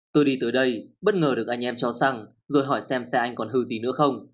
tôi đi tới đây bất ngờ được anh em cho xăng rồi hỏi xem xe anh còn hư gì nữa không